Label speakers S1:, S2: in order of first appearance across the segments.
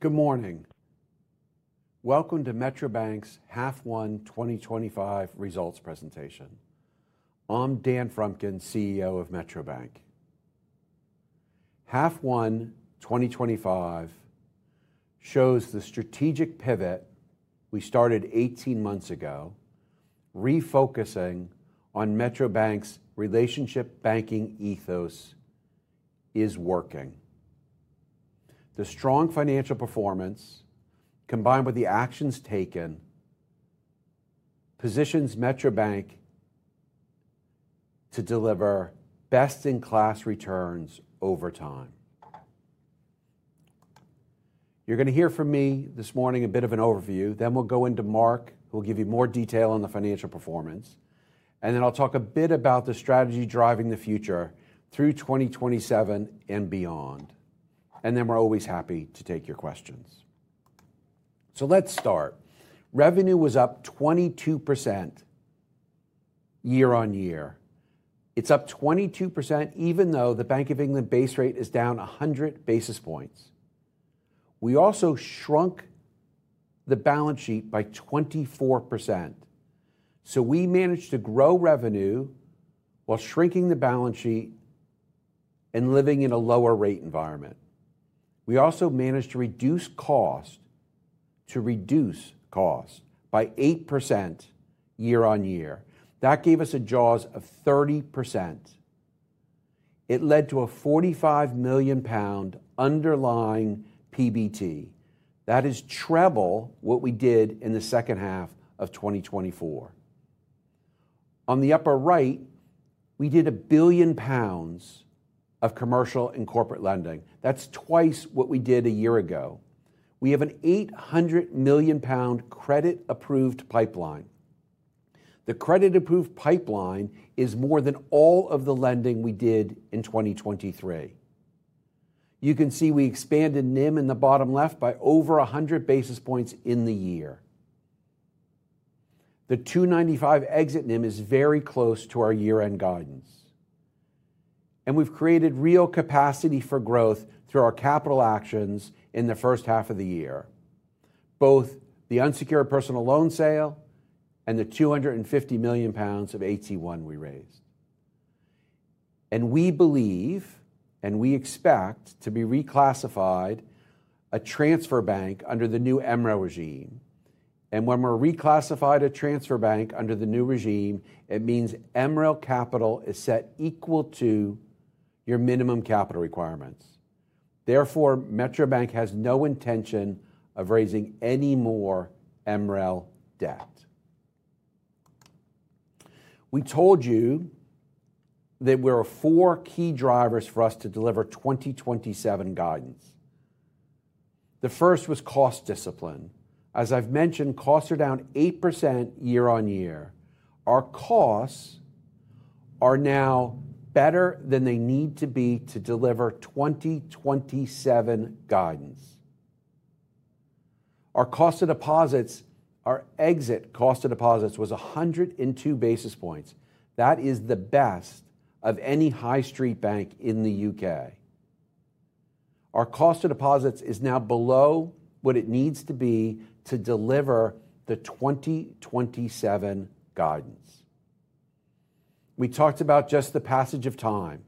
S1: Good morning. Welcome to Metro Bank's Half One 2025 results presentation. I'm Daniel Frumkin, CEO of Metro Bank. Half One 2025 shows the strategic pivot we started 18 months ago, refocusing on Metro Bank's relationship banking ethos is working. The strong financial performance, combined with the actions taken, positions Metro Bank to deliver best-in-class returns over time. You're going to hear from me this morning a bit of an overview, then we'll go into Marc, who will give you more detail on the financial performance, and then I'll talk a bit about the strategy driving the future through 2027 and beyond. We're always happy to take your questions. Let's start. Revenue was up 22% year-on-year. It's up 22% even though the Bank of England base rate is down 100 basis points. We also shrunk the balance sheet by 24%. We managed to grow revenue while shrinking the balance sheet and living in a lower rate environment. We also managed to reduce cost by 8% year-on-year. That gave us a jaws of 30%. It led to a 45 million pound underlying PBT. That is treble what we did in the second half of 2024. On the upper right, we did 1 billion pounds of commercial and corporate lending. That's twice what we did a year ago. We have an 800 million pound credit-approved pipeline. The credit-approved pipeline is more than all of the lending we did in 2023. You can see we expanded NIM in the bottom left by over 100 basis points in the year. The 2.95% exit NIM is very close to our year-end guidance. We've created real capacity for growth through our capital actions in the first half of the year, both the unsecured personal loan sale and the 250 million pounds of AT1 we raised. We believe, and we expect, to be reclassified a transfer bank under the new Emerald regime. When we're reclassified a transfer bank under the new regime, it means Emerald capital is set equal to your minimum capital requirements. Therefore, Metro Bank has no intention of raising any more Emerald debt. We told you that there were four key drivers for us to deliver 2027 guidance. The first was cost discipline. As I've mentioned, costs are down 8% year-on-year. Our costs are now better than they need to be to deliver 2027 guidance. Our cost of deposits, our exit cost of deposits was 1.02%. That is the best of any high street bank in the UK. Our cost of deposits is now below what it needs to be to deliver the 2027 guidance. We talked about just the passage of time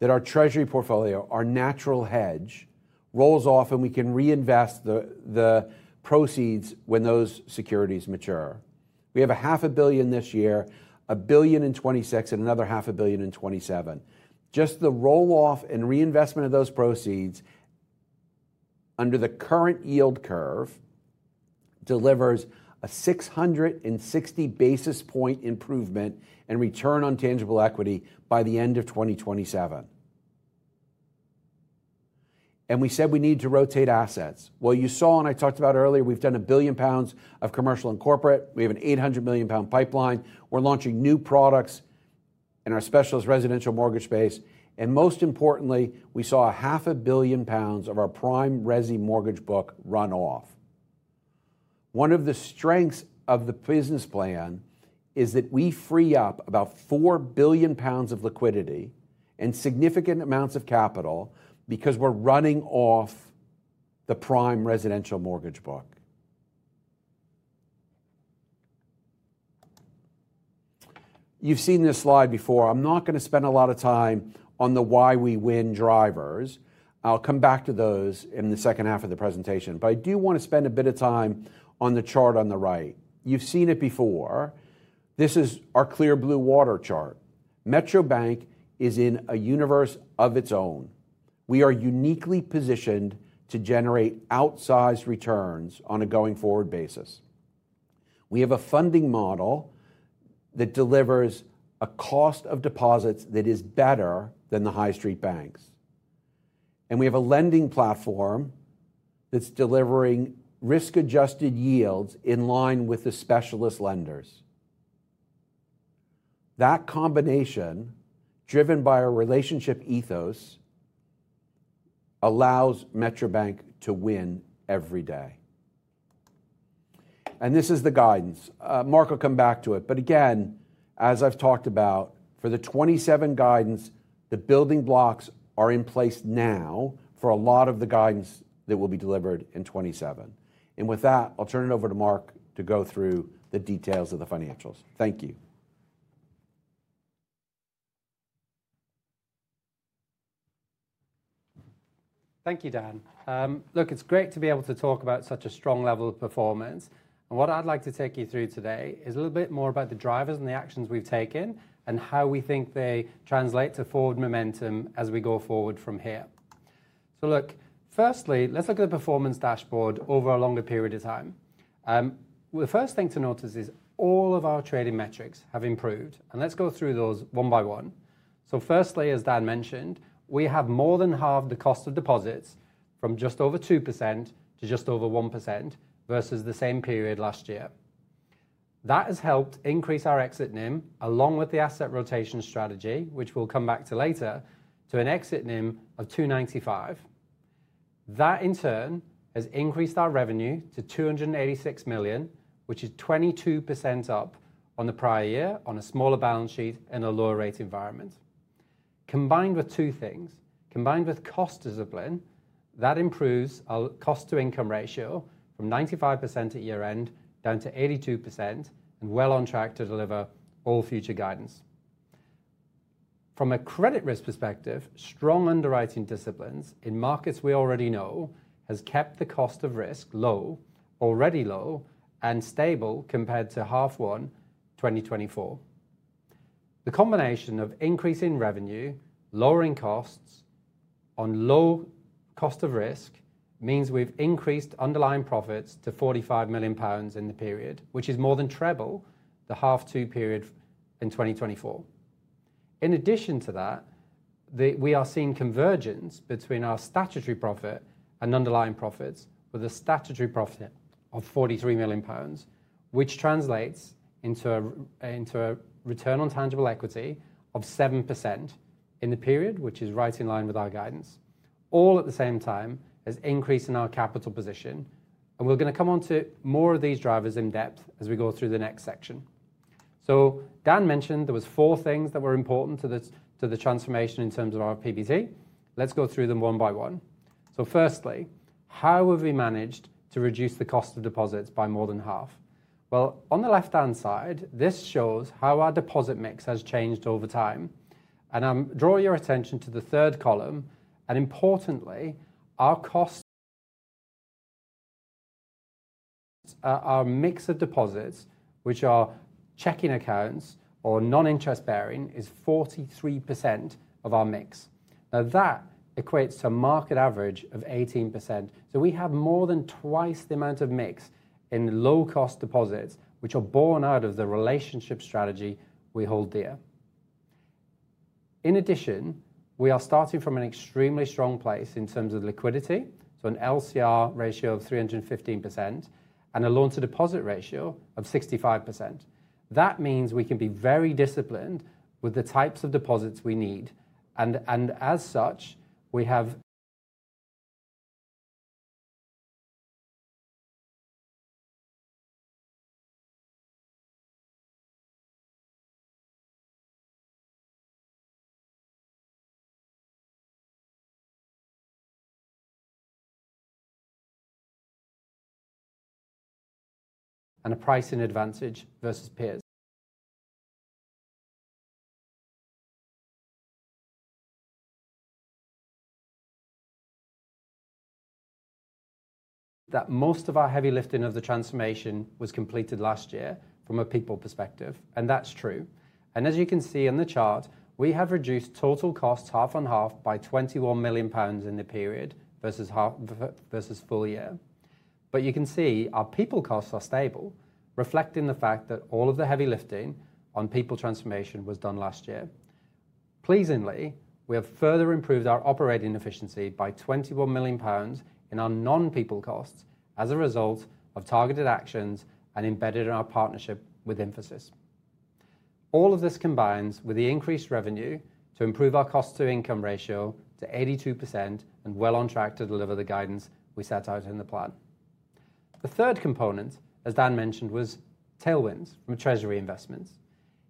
S1: that our treasury portfolio, our natural hedge, rolls off and we can reinvest the proceeds when those securities mature. We have 500 million this year, 1 billion in 2026, and another 500 million in 2027. Just the roll-off and reinvestment of those proceeds under the current yield curve delivers a 660 basis point improvement in return on tangible equity by the end of 2027. We said we need to rotate assets. You saw, and I talked about earlier, we've done 1 billion pounds of commercial and corporate. We have an 800 million pound pipeline. We're launching new products in our specialist residential mortgage space. Most importantly, we saw 500 million pounds of our prime residential mortgage book run off. One of the strengths of the business plan is that we free up about 4 billion pounds of liquidity and significant amounts of capital because we're running off the prime residential mortgage book. You've seen this slide before. I'm not going to spend a lot of time on the why we win drivers. I'll come back to those in the second half of the presentation, but I do want to spend a bit of time on the chart on the right. You've seen it before. This is our clear blue water chart. Metro Bank is in a universe of its own. We are uniquely positioned to generate outsized returns on a going forward basis. We have a funding model that delivers a cost of deposits that is better than the high street banks. We have a lending platform that's delivering risk-adjusted yields in line with the specialist lenders. That combination, driven by a relationship ethos, allows Metro Bank to win every day. This is the guidance. Marc will come back to it. As I've talked about, for the 2027 guidance, the building blocks are in place now for a lot of the guidance that will be delivered in 2027. With that, I'll turn it over to Marc to go through the details of the financials. Thank you.
S2: Thank you, Dan. Look, it's great to be able to talk about such a strong level of performance. What I'd like to take you through today is a little bit more about the drivers and the actions we've taken and how we think they translate to forward momentum as we go forward from here. Firstly, let's look at the performance dashboard over a longer period of time. The first thing to notice is all of our trading metrics have improved. Let's go through those one by one. Firstly, as Dan mentioned, we have more than halved the cost of deposits from just over 2% to just over 1% versus the same period last year. That has helped increase our exit NIM, along with the asset rotation strategy, which we'll come back to later, to an exit NIM of 2.95%. That in turn has increased our revenue to 286 million, which is 22% up on the prior year on a smaller balance sheet and a lower rate environment. Combined with two things, combined with cost discipline, that improves our cost-to-income ratio from 95% at year-end down to 82% and well on track to deliver all future guidance. From a credit risk perspective, strong underwriting disciplines in markets we already know have kept the cost of risk low, already low, and stable compared to half one 2024. The combination of increasing revenue, lowering costs on low cost of risk means we've increased underlying profits to 45 million pounds in the period, which is more than treble the half two period in 2024. In addition to that, we are seeing convergence between our statutory profit and underlying profits for the statutory profit of 43 million pounds, which translates into a return on tangible equity of 7% in the period, which is right in line with our guidance, all at the same time as increasing our capital position. We're going to come on to more of these drivers in depth as we go through the next section. Dan mentioned there were four things that were important to the transformation in terms of our PBT. Let's go through them one by one. Firstly, how have we managed to reduce the cost of deposits by more than half? On the left-hand side, this shows how our deposit mix has changed over time. I'll draw your attention to the third column. Importantly, our mix of deposits, which are checking accounts or non-interest bearing, is 43% of our mix. That equates to a market average of 18%. We have more than twice the amount of mix in low-cost deposits, which are born out of the relationship strategy we hold dear. In addition, we are starting from an extremely strong place in terms of liquidity, with an LCR ratio of 315% and a loan-to-deposit ratio of 65%. That means we can be very disciplined with the types of deposits we need. As such, we have a pricing advantage versus peers. Most of our heavy lifting of the transformation was completed last year from a people perspective, and that's true. As you can see in the chart, we have reduced total costs half on half by 21 million pounds in the period versus half versus full year. You can see our people costs are stable, reflecting the fact that all of the heavy lifting on people transformation was done last year. Pleasingly, we have further improved our operating efficiency by 21 million pounds in our non-people costs as a result of targeted actions and embedded in our partnership with Infosys. All of this combines with the increased revenue to improve our cost-to-income ratio to 82% and we are well on track to deliver the guidance we set out in the plan. The third component, as Dan mentioned, was tailwinds from treasury investments.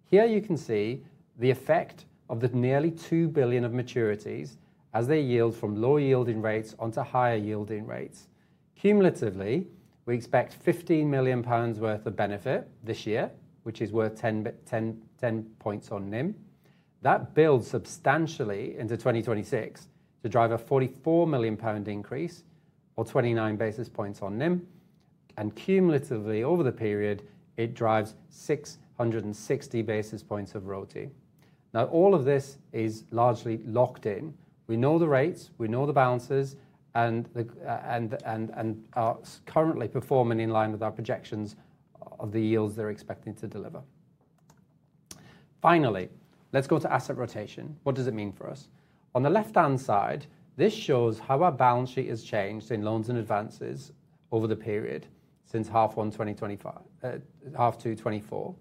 S2: Here you can see the effect of the nearly 2 billion of maturities as they yield from low-yielding rates onto higher-yielding rates. Cumulatively, we expect 15 million pounds worth of benefit this year, which is worth 10 points on NIM. That builds substantially into 2026 to drive a 44 million pound increase, or 29 basis points on NIM. Cumulatively, over the period, it drives 660 basis points of royalty. All of this is largely locked in. We know the rates, we know the balances, and are currently performing in line with our projections of the yields they're expecting to deliver. Finally, let's go to asset rotation. What does it mean for us? On the left-hand side, this shows how our balance sheet has changed in loans and advances over the period since half one 2024, half two 2024.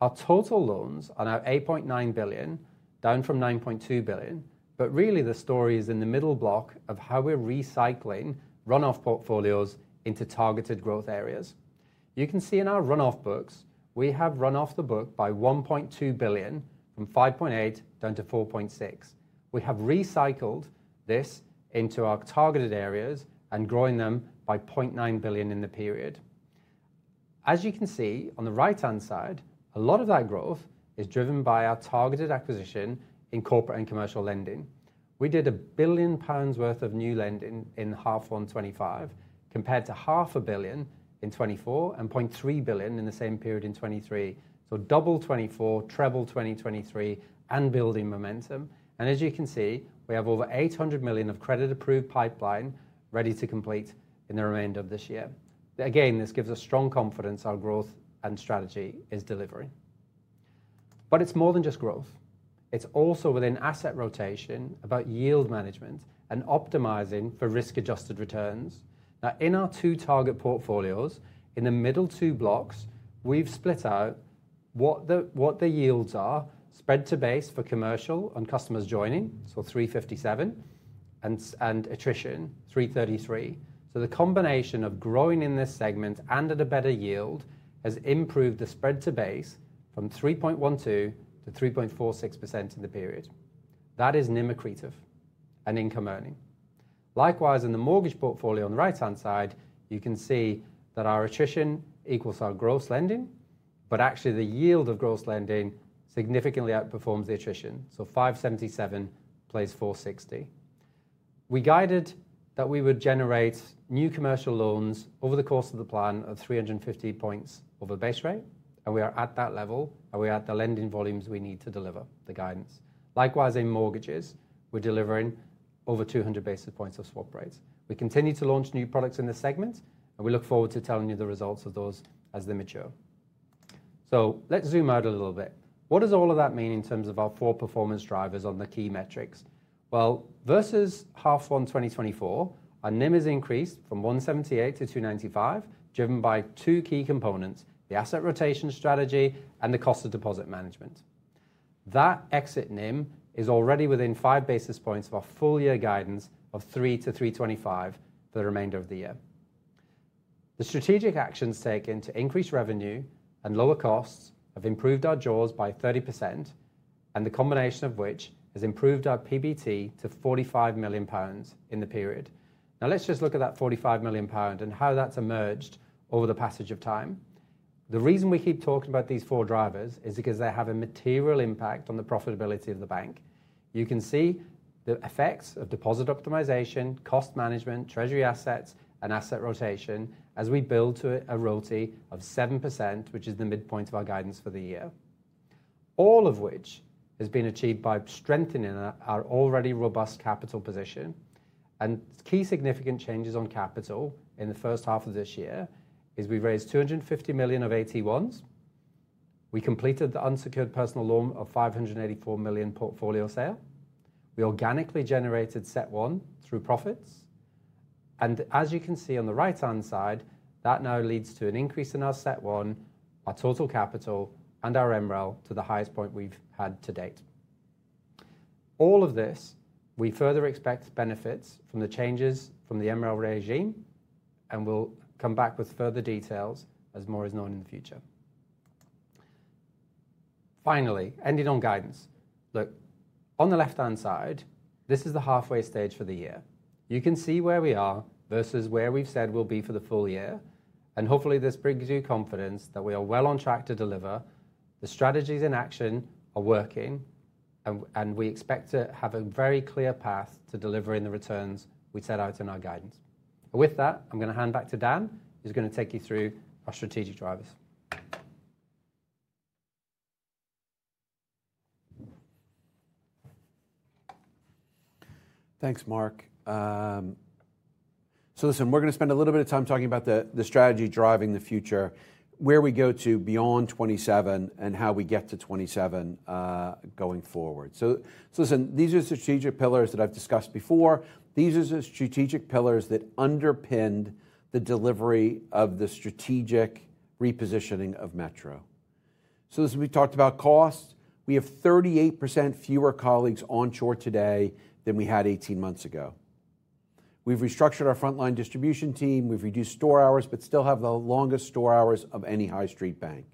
S2: Our total loans are now 8.9 billion, down from 9.2 billion. The story is in the middle block of how we're recycling runoff portfolios into targeted growth areas. You can see in our runoff books, we have run off the book by 1.2 billion from 5.8 billion down to 4.6 billion. We have recycled this into our targeted areas and grown them by 0.9 billion in the period. As you can see on the right-hand side, a lot of that growth is driven by our targeted acquisition in corporate and commercial lending. We did 1 billion pounds worth of new lending in half one 2025, compared to 0.5 billion in 2024 and GPB 0.3 billion in the same period in 2023. Double 2024, treble 2023, and building momentum. As you can see, we have over 800 million of credit-approved pipeline ready to complete in the remainder of this year. This gives us strong confidence our growth and strategy is delivering. It's more than just growth. It's also within asset rotation about yield management and optimizing for risk-adjusted returns. In our two target portfolios, in the middle two blocks, we've split out what the yields are, spread to base for commercial and customers joining, so 357, and attrition, 333. The combination of growing in this segment and at a better yield has improved the spread to base from 3.12%-3.46% in the period. That is NIM accretive and income earning. Likewise, in the mortgage portfolio on the right-hand side, you can see that our attrition equals our gross lending, but actually the yield of gross lending significantly outperforms the attrition. 577 plays 460. We guided that we would generate new commercial loans over the course of the plan of 350 basis points over the base rate, and we are at that level, and we are at the lending volumes we need to deliver the guidance. Likewise, in mortgages, we're delivering over 200 basis points of swap rates. We continue to launch new products in this segment, and we look forward to telling you the results of those as they mature. Let's zoom out a little bit. What does all of that mean in terms of our four performance drivers on the key metrics? Versus half one 2024, our NIM has increased from 1.78%-2.95%, driven by two key components: the asset rotation strategy and the cost of deposit management. That exit NIM is already within five basis points of our full year guidance of 3%-3.25% for the remainder of the year. The strategic actions taken to increase revenue and lower costs have improved our jaws by 30%, and the combination of which has improved our PBT to 45 million pounds in the period. Let's just look at that 45 million pound and how that's emerged over the passage of time. The reason we keep talking about these four drivers is because they have a material impact on the profitability of the bank. You can see the effects of deposit optimization, cost management, treasury assets, and asset rotation as we build to a royalty of 7%, which is the midpoint of our guidance for the year. All of which has been achieved by strengthening our already robust capital position. Key significant changes on capital in the first half of this year are we've raised 250 million of AT1 issuance. We completed the unsecured personal loan of 584 million portfolio sale. We organically generated CET1 through profits. As you can see on the right-hand side, that now leads to an increase in our CET1, our total capital, and our Emerald to the highest point we've had to date. All of this, we further expect benefits from the changes from the Emerald regime, and we'll come back with further details as more is known in the future. Finally, ending on guidance. On the left-hand side, this is the halfway stage for the year. You can see where we are versus where we've said we'll be for the full year. Hopefully, this brings you confidence that we are well on track to deliver, the strategies in action are working, and we expect to have a very clear path to delivering the returns we set out in our guidance. With that, I'm going to hand back to Dan, who's going to take you through our strategic drivers.
S1: Thanks, Marc. We're going to spend a little bit of time talking about the strategy driving the future, where we go to beyond 2027, and how we get to 2027 going forward. These are the strategic pillars that I've discussed before. These are the strategic pillars that underpin the delivery of the strategic repositioning of Metro. We talked about cost. We have 38% fewer colleagues onshore today than we had 18 months ago. We've restructured our frontline distribution team. We've reduced store hours, but still have the longest store hours of any high street bank.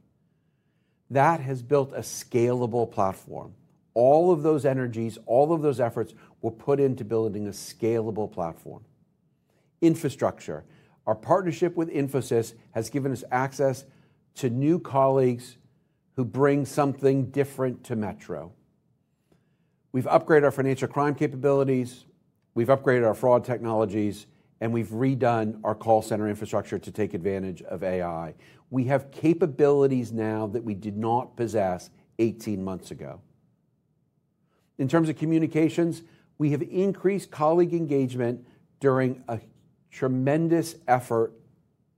S1: That has built a scalable platform. All of those energies, all of those efforts were put into building a scalable platform. Infrastructure, our partnership with Infosys has given us access to new colleagues who bring something different to Metro. We've upgraded our financial crime capabilities. We've upgraded our fraud technologies, and we've redone our call center infrastructure to take advantage of AI. We have capabilities now that we did not possess 18 months ago. In terms of communications, we have increased colleague engagement during a tremendous effort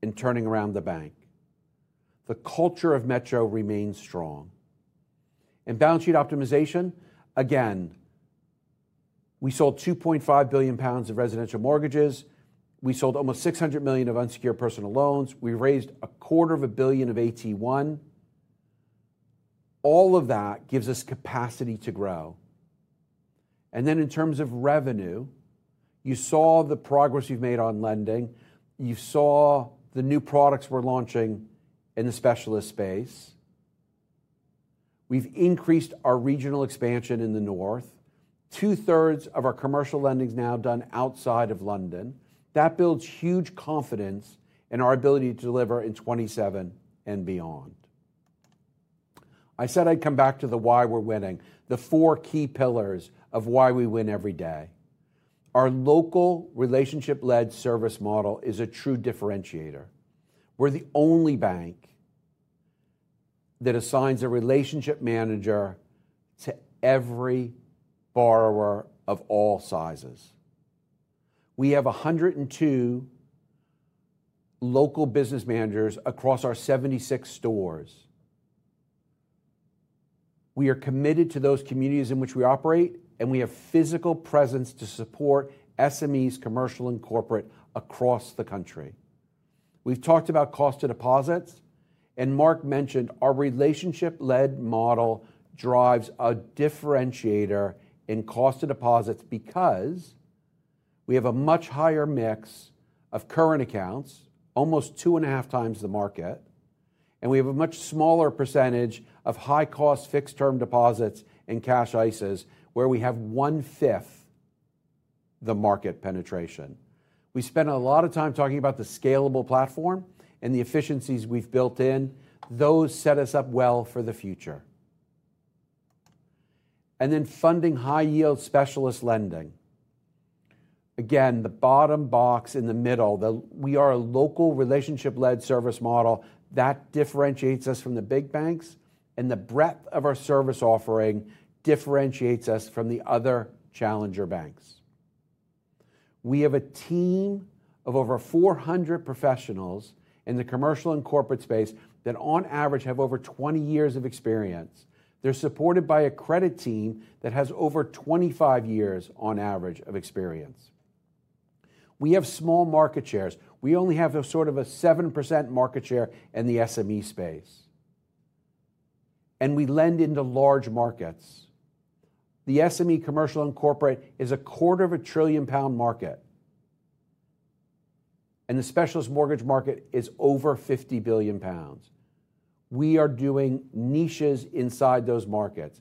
S1: in turning around the bank. The culture of Metro Bank remains strong. Balance sheet optimization, again, we sold 2.5 billion pounds of residential mortgages. We sold almost 600 million of unsecured personal loans. We raised a quarter of a billion of AT1. All of that gives us capacity to grow. In terms of revenue, you saw the progress we've made on lending. You saw the new products we're launching in the specialist space. We've increased our regional expansion in the north. Two-thirds of our commercial lending is now done outside of London. That builds huge confidence in our ability to deliver in 2027 and beyond. I said I'd come back to the why we're winning, the four key pillars of why we win every day. Our local relationship-led service model is a true differentiator. We're the only bank that assigns a relationship manager to every borrower of all sizes. We have 102 local business managers across our 76 stores. We are committed to those communities in which we operate, and we have physical presence to support SMEs, commercial, and corporate across the country. We've talked about cost of deposits, and Marc mentioned our relationship-led model drives a differentiator in cost of deposits because we have a much higher mix of current accounts, almost 2.5x the market, and we have a much smaller percentage of high-cost fixed-term deposits and cash ISAs, where we have one-fifth the market penetration. We spent a lot of time talking about the scalable platform and the efficiencies we've built in. Those set us up well for the future. Then funding high-yield specialist lending. Again, the bottom box in the middle, we are a local relationship-led service model that differentiates us from the big banks, and the breadth of our service offering differentiates us from the other challenger banks. We have a team of over 400 professionals in the commercial and corporate space that on average have over 20 years of experience. They're supported by a credit team that has over 25 years on average of experience. We have small market shares. We only have a sort of a 7% market share in the SME space. We lend into large markets. The SME commercial and corporate is a quarter of a trillion pound market. The specialist mortgage market is over 50 billion pounds. We are doing niches inside those markets.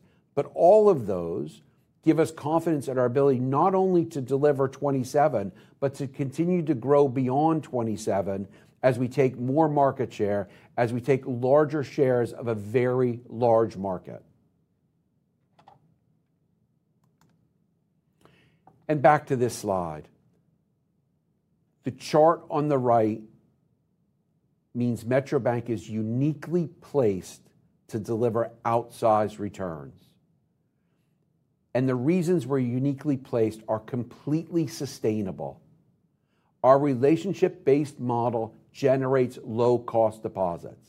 S1: All of those give us confidence in our ability not only to deliver 2027, but to continue to grow beyond 2027 as we take more market share, as we take larger shares of a very large market. Back to this slide. The chart on the right means Metro Bank is uniquely placed to deliver outsized returns. The reasons we're uniquely placed are completely sustainable. Our relationship-based model generates low-cost deposits,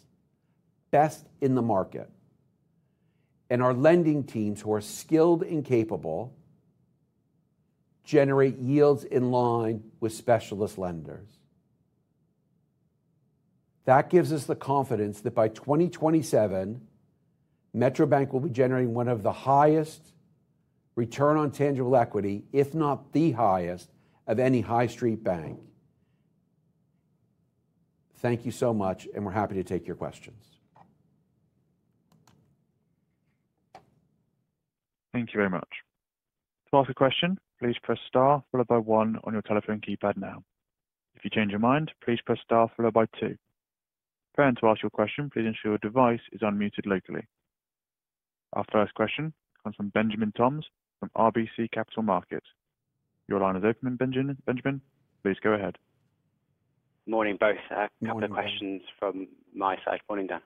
S1: best in the market. Our lending teams, who are skilled and capable, generate yields in line with specialist lenders. That gives us the confidence that by 2027, Metro Bank will be generating one of the highest return on tangible equity, if not the highest, of any high street bank. Thank you so much, and we're happy to take your questions.
S3: Thank you very much. To ask a question, please press star followed by one on your telephone keypad now. If you change your mind, please press star followed by two. Preparing to ask your question, please ensure your device is unmuted locally. Our first question comes from Benjamin Toms from RBC Capital Markets. Your line is open, Benjamin. Please go ahead.
S4: Morning both. No more questions from my side. Morning, Dan.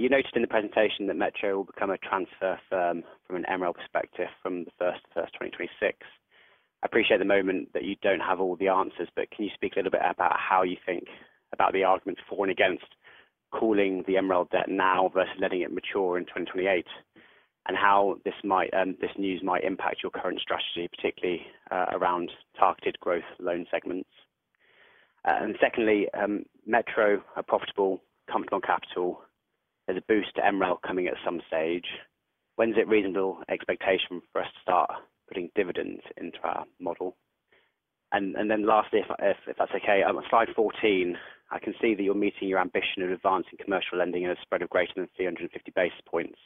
S4: You noted in the presentation that Metro will become a transfer firm from an Emerald perspective from January 1, 2026. I appreciate at the moment that you don't have all the answers, but can you speak a little bit about how you think about the arguments for and against calling the Emerald debt now versus letting it mature in 2028? How this news might impact your current strategy, particularly around targeted growth loan segments? Secondly, Metro, a profitable company on capital, has a boost to Emerald coming at some stage. When's it a reasonable expectation for us to start putting dividends into our model? Lastly, if that's okay, at 5:14, I can see that you're meeting your ambition of advancing commercial lending at a spread of greater than 350 basis points.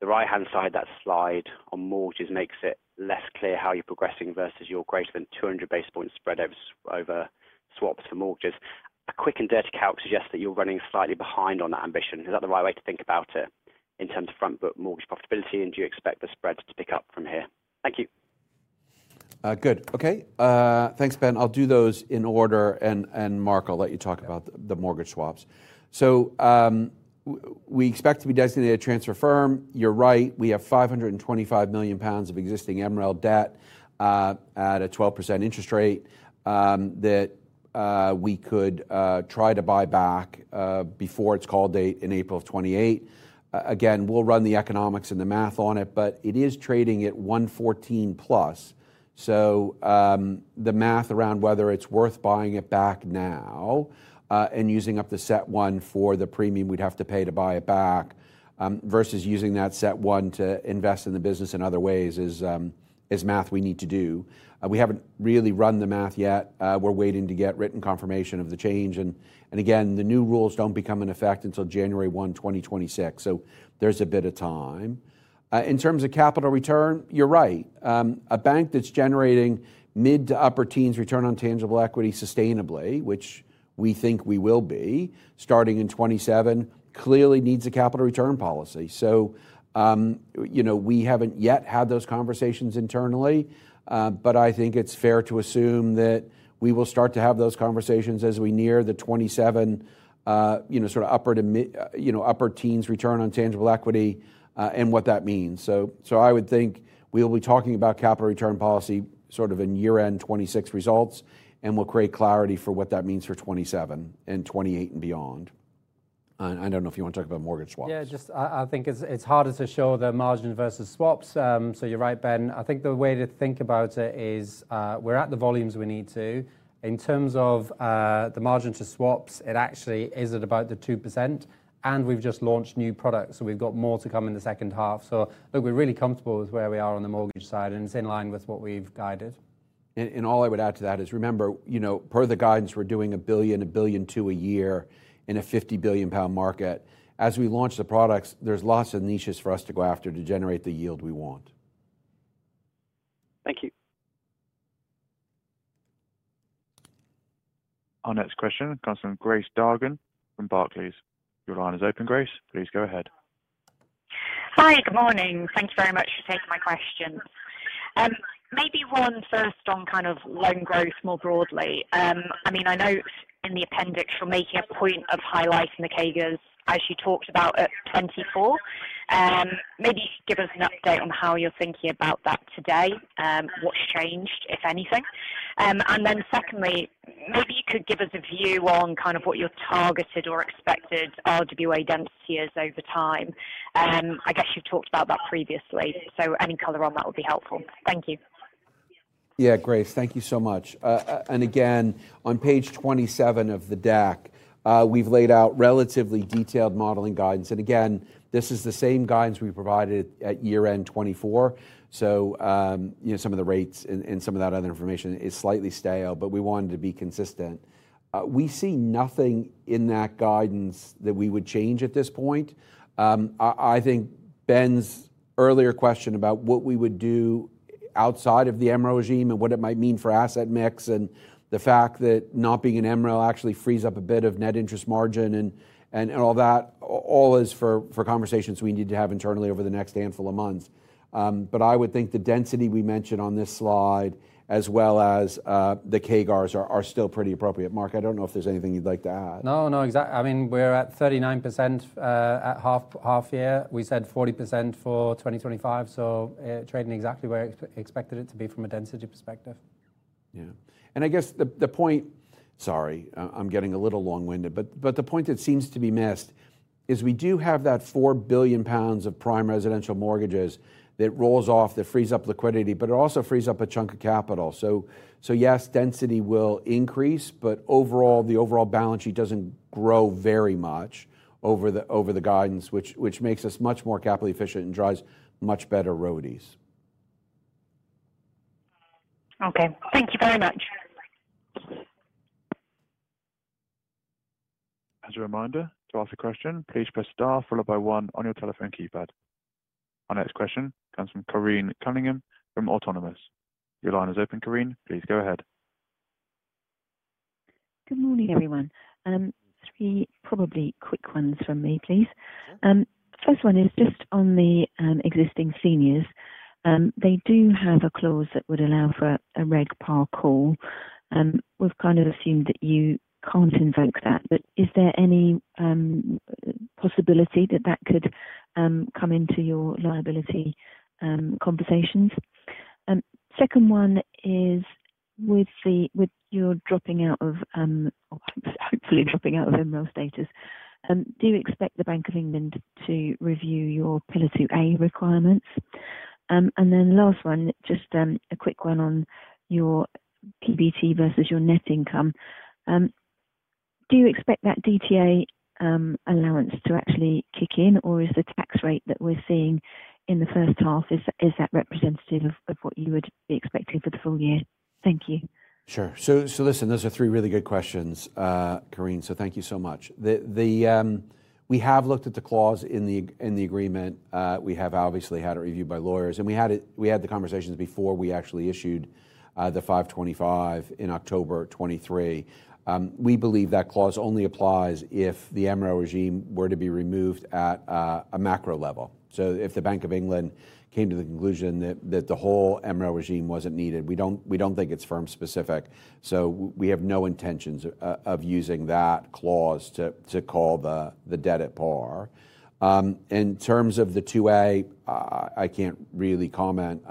S4: The right-hand side of that slide on mortgages makes it less clear how you're progressing versus your greater than 200 basis points spread over swaps for mortgages. A quick and dirty calc suggests that you're running slightly behind on that ambition. Is that the right way to think about it in terms of front book mortgage profitability, and do you expect the spreads to pick up from here? Thank you.
S1: Good. Okay. Thanks, Ben. I'll do those in order, and Marc, I'll let you talk about the mortgage swaps. We expect to be designated a transfer firm. You're right. We have 525 million pounds of existing Emerald debt at a 12% interest rate that we could try to buy back before its call date in April 2028. We'll run the economics and the math on it, but it is trading at 114+. The math around whether it's worth buying it back now and using up the CET1 for the premium we'd have to pay to buy it back versus using that CET1 to invest in the business in other ways is math we need to do. We haven't really run the math yet. We're waiting to get written confirmation of the change. The new rules don't become effective until January 1, 2026. There's a bit of time. In terms of capital return, you're right. A bank that's generating mid to upper teens return on tangible equity sustainably, which we think we will be starting in 2027, clearly needs a capital return policy. We haven't yet had those conversations internally, but I think it's fair to assume that we will start to have those conversations as we near the 2027 upper teens return on tangible equity and what that means. I would think we'll be talking about capital return policy sort of in year-end 2026 results, and we'll create clarity for what that means for 2027 and 2028 and beyond. I don't know if you want to talk about mortgage swaps.
S2: I think it's harder to show the margin versus swaps. You're right, Ben. I think the way to think about it is we're at the volumes we need to. In terms of the margin to swaps, it actually is at about the 2%, and we've just launched new products. We've got more to come in the second half. We're really comfortable with where we are on the mortgage side, and it's in line with what we've guided.
S1: All I would add to that is remember, you know, per the guidance, we're doing 1 billion, 1.2 billion a year in a 50 billion pound market. As we launch the products, there's lots of niches for us to go after to generate the yield we want.
S4: Thank you.
S3: Our next question comes from Grace Dargan from Barclays. Your line is open, Grace. Please go ahead.
S5: Hi, good morning. Thanks very much for taking my question. Maybe one first on kind of loan growth more broadly. I note in the appendix you're making a point of highlighting the CAGRs as you talked about at 2024. Maybe give us an update on how you're thinking about that today, what's changed, if anything. Secondly, maybe you could give us a view on kind of what your targeted or expected RWA density is over time. I guess you've talked about that previously. Any color on that would be helpful. Thank you.
S1: Yeah, Grace, thank you so much. On page 27 of the deck, we've laid out relatively detailed modeling guidance. This is the same guidance we provided at year-end 2024. Some of the rates and some of that other information is slightly stale, but we wanted to be consistent. We see nothing in that guidance that we would change at this point. I think Ben's earlier question about what we would do outside of the Emerald regime and what it might mean for asset mix and the fact that not being an Emerald actually frees up a bit of net interest margin and all that is for conversations we need to have internally over the next handful of months. I would think the density we mentioned on this slide, as well as the CAGRs, are still pretty appropriate. Marc, I don't know if there's anything you'd like to add.
S2: No, exactly. I mean, we're at 39% at half year. We said 40% for 2025. Trading exactly where expected it to be from a density perspective.
S1: I guess the point that seems to be missed is we do have that 4 billion pounds of prime residential mortgages that rolls off, that frees up liquidity, but it also frees up a chunk of capital. Yes, density will increase, but overall, the overall balance sheet doesn't grow very much over the guidance, which makes us much more capital efficient and drives much better RODIs.
S5: Okay, thank you very much.
S3: As a reminder, to ask a question, please press star followed by one on your telephone keypad. Our next question comes from Corinne Cunningham from Autonomous LLP. Your line is open, Corinne. Please go ahead.
S6: Good morning, everyone. Three probably quick ones from me, please. First one is just on the existing seniors. They do have a clause that would allow for a reg par call. We've kind of assumed that you can't invoke that, but is there any possibility that that could come into your liability compensations? Second one is with your dropping out of, hopefully dropping out of Emerald status, do you expect the Bank of England to review your Pillar 2A requirements? And then last one, just a quick one on your PBT versus your net income. Do you expect that DTA allowance to actually kick in, or is the tax rate that we're seeing in the first half, is that representative of what you would be expecting for the full year? Thank you.
S1: Sure. Those are three really good questions, Corinne. Thank you so much. We have looked at the clause in the agreement. We have obviously had it reviewed by lawyers, and we had the conversations before we actually issued the 525 in October 2023. We believe that clause only applies if the Emerald regime were to be removed at a macro level. If the Bank of England came to the conclusion that the whole Emerald regime wasn't needed, we don't think it's firm specific. We have no intentions of using that clause to call the debt at par. In terms of the 2A, I can't really comment.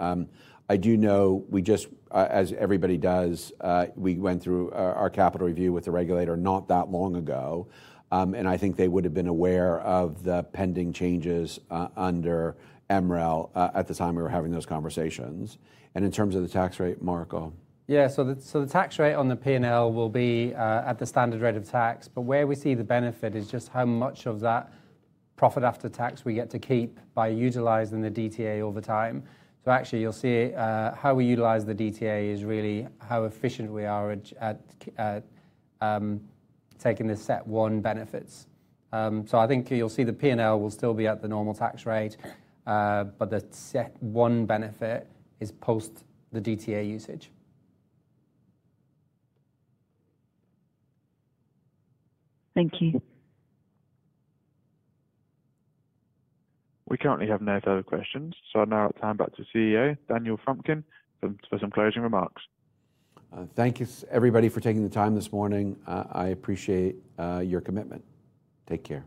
S1: I do know we just, as everybody does, went through our capital review with the regulator not that long ago. I think they would have been aware of the pending changes under Emerald at the time we were having those conversations. In terms of the tax rate, Marco.
S2: Yeah, the tax rate on the P&L will be at the standard rate of tax, but where we see the benefit is just how much of that profit after tax we get to keep by utilizing the DTA over time. You'll see how we utilize the DTA is really how efficient we are at taking the CET1 benefits. I think you'll see the P&L will still be at the normal tax rate, but the CET1 benefit is post the DTA usage.
S6: Thank you.
S3: We currently have no further questions. It is now time back to CEO Daniel Frumkin for some closing remarks.
S1: Thank you, everybody, for taking the time this morning. I appreciate your commitment. Take care.